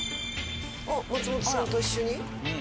あっ松本さんと一緒に？